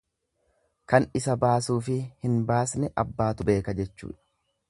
Kan isa baasuufi hin baafne abbaatu beeka jechuudha.